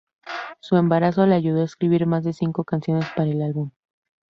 Su embarazo le ayudó a escribir más de cinco canciones para el álbum.